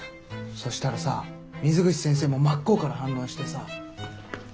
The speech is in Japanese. そしたらさ水口先生も真っ向から反論してさ。